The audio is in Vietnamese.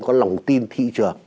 có lòng tin thị trường